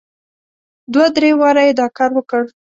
دوه درې واره یې دا کار وکړ.